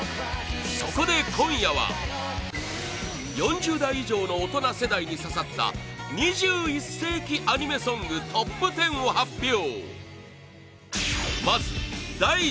そこで今夜は４０代以上のオトナ世代に刺さった２１世紀アニメソングトップ１０を発表